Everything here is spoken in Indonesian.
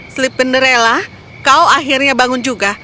slipinderella kau akhirnya bangun juga